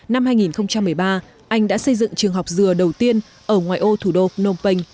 năm hai nghìn một mươi ba anh đã xây dựng trường học dừa đầu tiên ở ngoài ô thủ đô phnom penh